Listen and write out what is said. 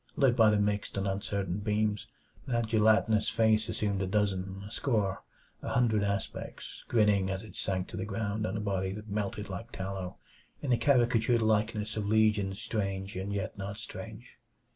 Lit by the mixed and uncertain beams, that gelatinous face assumed a dozen a score a hundred aspects; grinning, as it sank to the ground on a body that melted like tallow, in the caricatured likeness of legions strange and yet not strange.